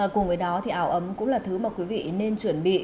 cùng với đó ảo ấm cũng là thứ quý vị nên chuẩn bị